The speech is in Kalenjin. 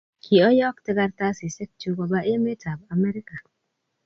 kioyokte karatasisieknyu koba emetab Amerika